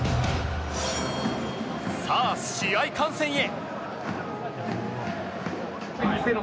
さあ試合観戦へ！